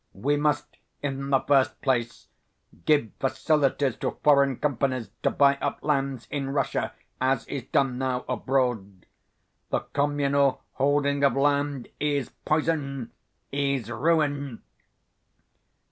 We must, in the first place, give facilities to foreign companies to buy up lands in Russia as is done now abroad. The communal holding of land is poison, is ruin.'